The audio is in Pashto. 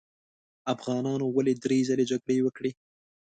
افغانانو ولې درې ځلې جګړې وکړې.